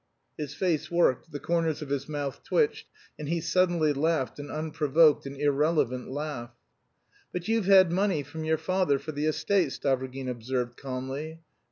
His face worked, the corners of his mouth twitched, and he suddenly laughed an unprovoked and irrelevant laugh. "But you've had money from your father for the estate," Stavrogin observed calmly.